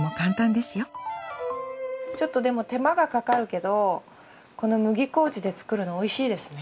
ちょっとでも手間がかかるけどこの麦麹で作るのおいしいですね。